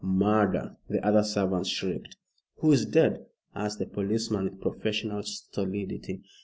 "Murder!" the other servants shrieked. "Who is dead?" asked the policeman, with professional stolidity.